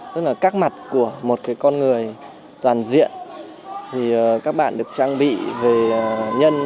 tức là các mặt của một cái con người toàn diện thì các bạn được trang bị về nhân